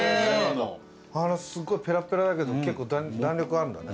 すごいペラッペラだけど結構弾力あるんだね。